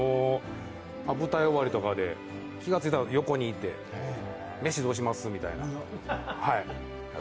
舞台終わりとかで、気がついたら横にいて飯どうします？みたいな。